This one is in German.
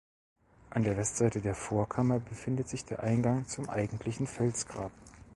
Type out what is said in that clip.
An der Westseite der Vorkammer befindet sich der Eingang zum eigentlichen Felsgrab.